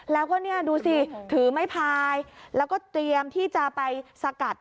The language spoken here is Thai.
แล้วก็เนี่ยดูสิถือไม้พายแล้วก็เตรียมที่จะไปสกัด